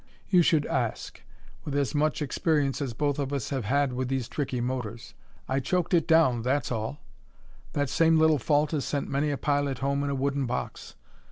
"You should ask with as much experience as both of us have had with these tricky motors. I choked it down, that's all. That same little fault has sent many a pilot home in a wooden box.